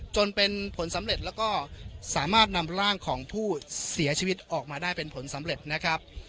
จนเป็นผลสำเร็จแล้วก็สามารถนำร่างของผู้เสียชีวิตออกมาได้เป็นผลสำเร็จนะครับ